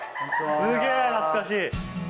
すげぇ懐かしい。